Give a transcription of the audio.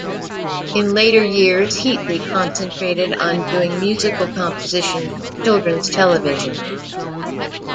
In later years, Heatlie concentrated on doing musical compositions for children's television.